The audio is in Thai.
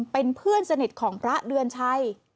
เป็นเพื่อนสนิทของพระเดือนชัย